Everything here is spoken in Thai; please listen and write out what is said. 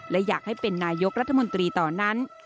และอยากให้เป็นนายกรัฐมนตรีต่อนั้น